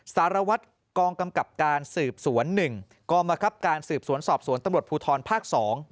สารวัตรกองกำกับการสืบสวน๑กองบังคับการสืบสวนสอบสวนตำรวจภูทรภาค๒